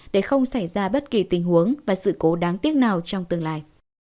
để không xảy ra bất kỳ tình huống và sự cố đáng tiếc nào trong tương lai